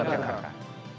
ayo memilih untuk jakarta